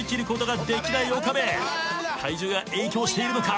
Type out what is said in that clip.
体重が影響しているのか？